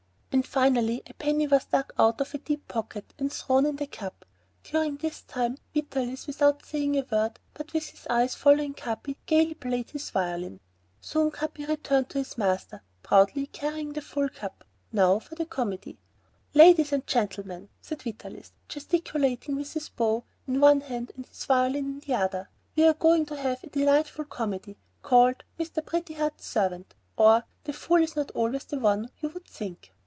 And, finally, a penny was dug out of a deep pocket and thrown into the cup. During this time, Vitalis, without saying a word, but with his eyes following Capi, gayly played his violin. Soon Capi returned to his master, proudly carrying the full cup. Now for the comedy. "Ladies and gentlemen," said Vitalis, gesticulating with his bow in one hand and his violin in the other, "we are going to give a delightful comedy, called 'Mr. Pretty Heart's Servant, or the Fool is not Always the One You Would Think.'